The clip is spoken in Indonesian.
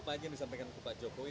apa aja yang disampaikan ke pak jokowi